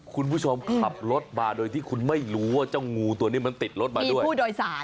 คุณผู้ชมขับรถมาโดยที่คุณไม่รู้ว่าเจ้างูมันติดรถมาด้วย